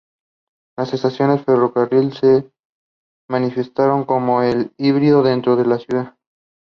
It has also been known as Barta House.